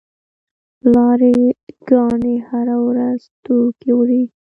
لاری ګانې هره ورځ توکي وړي.